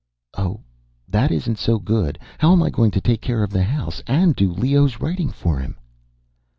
"Oh. That isn't so good. How am I going to take care of the house and do Leo's writing for him?"